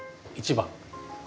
１番。